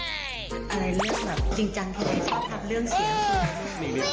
ชอบเวลามีเรื่องอย่างจริงจังชอบทำเรื่องเสียง